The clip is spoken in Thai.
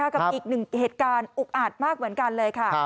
กับอีกหนึ่งเหตุการณ์อุกอาจมากเหมือนกันเลยค่ะ